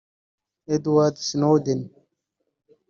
Edward Snowden